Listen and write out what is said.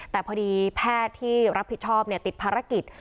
แต่พอดีแพทย์ที่รับผิดชอบติดภารกิจ